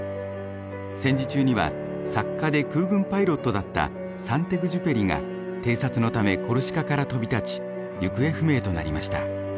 戦時中には作家で空軍パイロットだったサンテグジュペリが偵察のためコルシカから飛び立ち行方不明となりました。